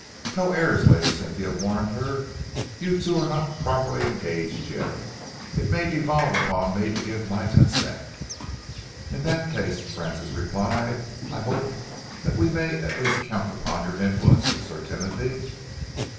"No airs!" Lady Cynthia warned her. "You two are not properly engaged yet. It may devolve upon me to give my consent." "In that case," Francis replied, "I hope that we may at least count upon your influence with Sir Timothy?"